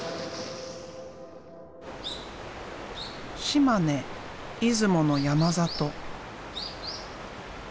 島根・出雲の山里。